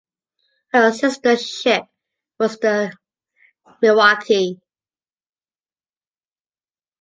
Her sistership was the "Milwaukee".